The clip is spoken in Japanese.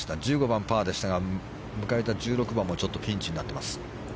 １５番、パーでしたが迎えた１６番もちょっとピンチになってます。